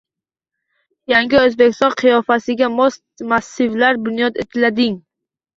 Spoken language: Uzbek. Yangi O‘zbekiston qiyofasiga mos massivlar bunyod etilading